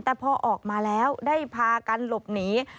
แต่พอออกมาแล้วได้พากันหลบหนี